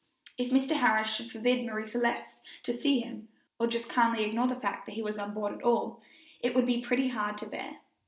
If Mr. Harris should forbid Marie Celeste to see him, or should just calmly ignore the fact that he was on board at all, it would be pretty hard to bear.